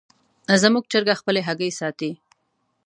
زموږ چرګه خپلې هګۍ ساتي.